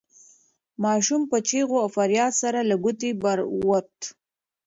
ماشوم په چیغو او فریاد سره له کوټې بهر ووت.